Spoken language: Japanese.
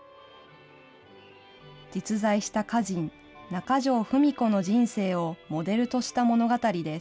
実在した歌人、なかじょうふみ子の人生をモデルとした物語です。